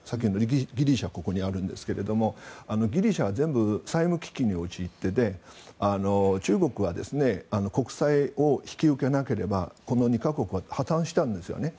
ギリシャはここにあるんですがギリシャは債務危機に陥っていて中国が国債を引き受けなければこの２か国は破たんしたんですよね。